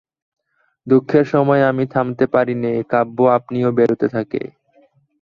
দুঃখের সময় আমি থামতে পারি নে– কাব্য আপনি বেরোতে থাকে।